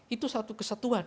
itu satu kesatuan